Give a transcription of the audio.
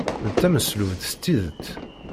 D tameslubt s tidet.